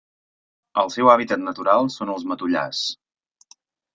El seu hàbitat natural són els matollars.